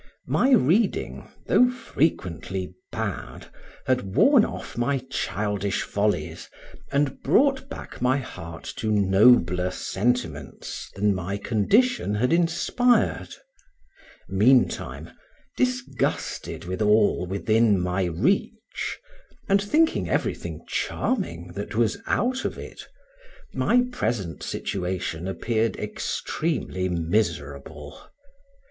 My reading, though frequently bad, had worn off my childish follies, and brought back my heart to nobler sentiments than my condition had inspired; meantime disgusted with all within my reach, and thinking everything charming that was out of it, my present situation appeared extremely miserable.